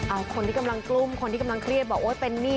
เอาคนที่กำลังกลุ้มคนที่กำลังเครียดบอกโอ๊ยเป็นหนี้